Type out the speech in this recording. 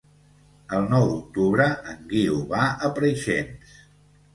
El nou d'octubre en Guiu va a Preixens.